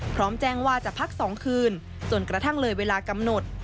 พร้อมแจ้งว่าจะพัก๒คืนจนกระทั่งเลยเวลากำหนด